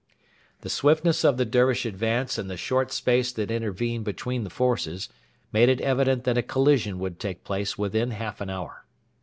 The swiftness of the Dervish advance and the short space that intervened between the forces made it evident that a collision would take place within half an hour.